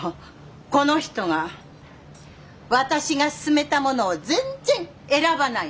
この人が私が薦めたものを全然選ばないのよ！